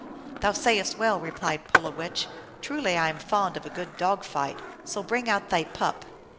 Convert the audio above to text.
" Thou sayest well," replied Pulowech ;" truly I am fond of a good dog fight, so bring out thy pup